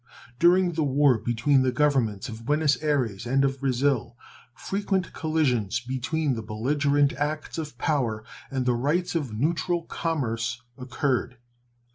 During the war between the Governments of Buenos Ayres and of Brazil frequent collisions between the belligerent acts of power and the rights of neutral commerce occurred.